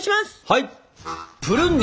はい！